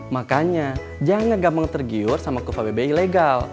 makanya jangan gampang tergiur sama kufa bbi ilegal